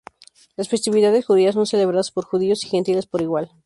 Las festividades judías son celebradas por judíos y gentiles por igual.